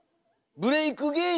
ブレイク芸人。